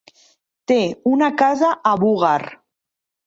Té una casa a Búger.